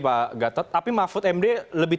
pak gatot tapi mahfud md lebih